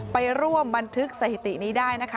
ไปร่วมบันทึกสถิตินี้ได้นะคะ